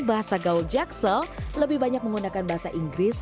bahasa gaul jaksel lebih banyak menggunakan bahasa inggris